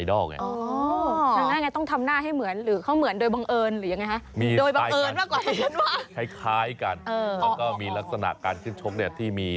หน้าเขาคล้ายน้องตุ้มเลยคุณ